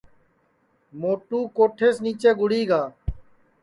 موٹو کوٹھیس نیچے گُڑی گا